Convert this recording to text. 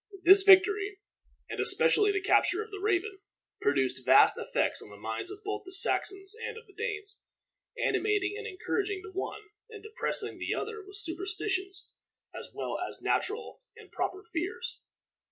This victory, and especially the capture of the Raven, produced vast effects on the minds both of the Saxons and of the Danes, animating and encouraging the one, and depressing the other with superstitious as well as natural and proper fears.